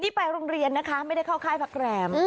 ไปโรงเรียนนะคะไม่ได้เข้าค่ายพักแรม